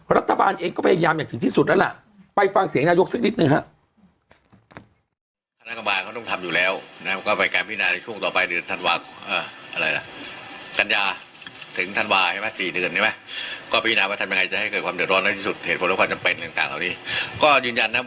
รัฐบาลเองก็พยายามอย่างถึงที่สุดแล้วล่ะไปฟังเสียงนายกสักนิดหนึ่งฮะ